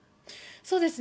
そうですね。